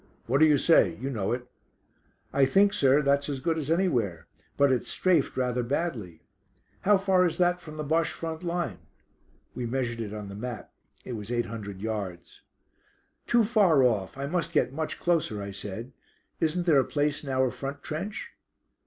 "What do you say? you know it." "I think, sir, that's as good as anywhere, but it's strafed rather badly." "How far is that from the Bosche front line?" We measured it on the map. It was eight hundred yards. "Too far off; I must get much closer," I said. "Isn't there a place in our front trench?"